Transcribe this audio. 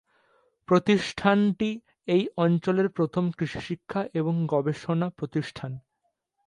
প্রতিষ্ঠানটি এই অঞ্চলের প্রথম কৃষি শিক্ষা এবং গবেষণা প্রতিষ্ঠান।